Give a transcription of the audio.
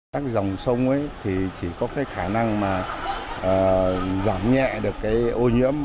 các dòng sông ấy thì chỉ có cái khả năng mà giảm nhẹ được cái ô nhiễm